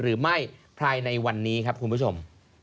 หรือไม่ภายในวันนี้ครับคุณผู้ชม